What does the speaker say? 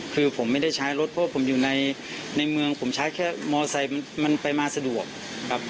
คือผมไม่ได้ใช้รถเพราะว่าผมอยู่ในเมืองผมใช้แค่มอไซค์มันไปมาสะดวกครับ